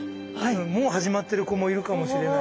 もう始まってる子もいるかもしれない。